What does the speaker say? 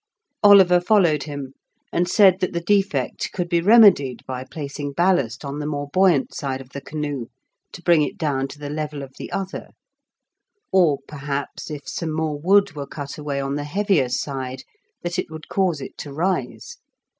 Oliver followed him, and said that the defect could be remedied by placing ballast on the more buoyant side of the canoe to bring it down to the level of the other; or, perhaps, if some more wood were cut away on the heavier side, that it would cause it to rise.